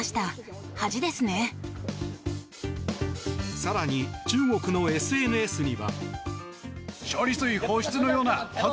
更に中国のＳＮＳには。